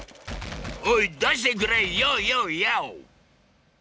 おい出してくれＹｏＹｏＹｏ！